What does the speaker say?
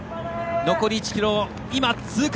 残り１ｋｍ通過！